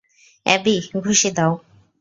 Abby, ঘুষি দাও।